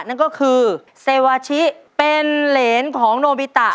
นั่นก็คือเซวาชิเป็นเหรนของโนบิตะ